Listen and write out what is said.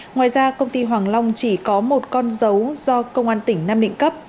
ngoài ra công ty hoàng long chỉ có một con dấu do công an tỉnh nam định cấp